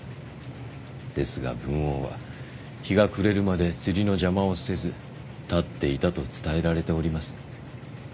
ですが文王は日が暮れるまで釣りの邪魔をせず立っていたと伝えられております。